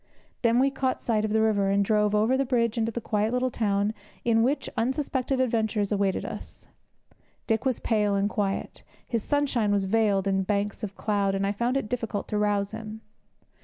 Then we caught sight of the river, and drove over the bridge into the quiet little town in which such unsuspected adventures awaited us. Dick was pale and quiet; his sunshine was veiled in banks of cloud, and I found it difficult to rouse him.